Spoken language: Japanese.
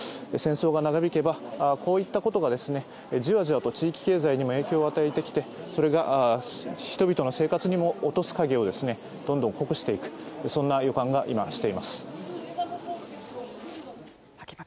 戦争が長引けば、こういったことがじわじわと地域経済にも影響を与えてきてそれが人々の生活にも落とす影をどんどん濃くしていく、そんな予感が今、しています。